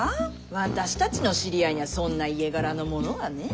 私たちの知り合いにはそんな家柄の者はねえ。